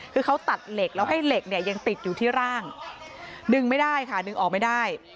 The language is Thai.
คือเขาตัดเหล็กแล้วให้เหล็กเนี่ยยังติดอยู่ที่ร่างดึงไม่ได้ค่ะดึงออกไม่ได้